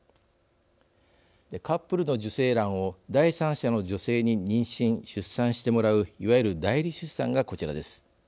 カップルの受精卵を第三者の女性に妊娠・出産してもらういわゆる代理出産がこちらです。